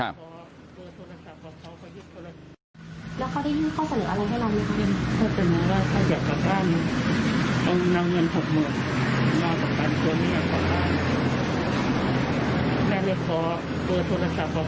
พวกเขานำเงินมาเอาตะกันตัวเนี่ยออกไปน่ะเขาจังแค่นี้แหละครับ